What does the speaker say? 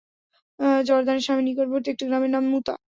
জর্দানে শামের নিকটবর্তী একটি গ্রামের নাম মুতা।